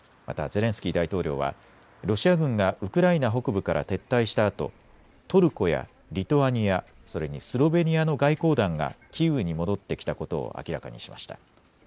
またゼレンスキー大統領はロシア軍がウクライナ北部から撤退したあとトルコやリトアニア、それにスロベニアの外交団がキーウに戻ってきたことを明らかにしました。